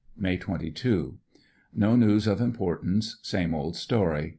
May 22.— No news of importance. Same old story.